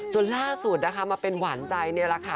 จนล่าสุดนะคะมาเป็นหวานใจนี่แหละค่ะ